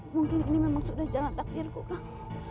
mungkin ini memang sudah jalan takdirku kang